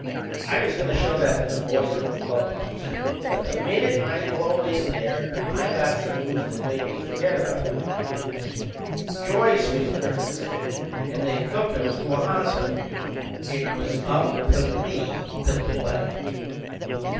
I was goin' to show that to the boys in the clubhouse, but the minute I blowed in there I got some news that made me forget about everything else. Joyce was very sick and they'd took him to a hospital. It was up to me to play!